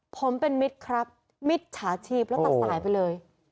ผมเป็นมิตรครับมิตรฉาชีพแล้วตัดสายไปเลย